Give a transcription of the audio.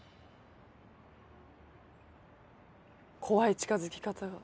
怖い近づき方。